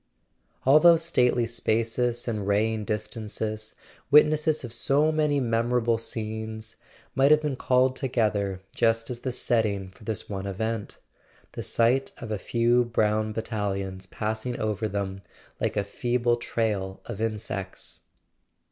All those stately spaces and raying distances, witnesses of so many memorable scenes, might have been called together just as the setting for this one event—the sight of a few brown battalions passing over them like a feeble trail of insects.